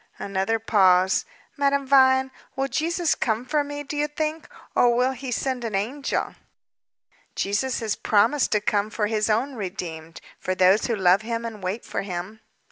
Another pause. "Madame Vine, will Jesus come for me, do you think, or will He send an angel?" "Jesus has promised to come for His own redeemed for those who love Him and wait for Him."